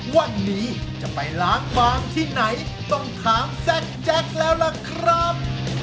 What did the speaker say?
วันนี้จะไปล้างบางที่ไหนต้องถามแซ็กแจ็คแล้วล่ะครับ